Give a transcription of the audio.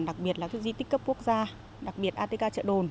đặc biệt là các di tích cấp quốc gia đặc biệt atk chợ đồn